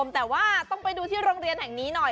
แต่ว่าต้องไปดูที่โรงเรียนแห่งนี้หน่อย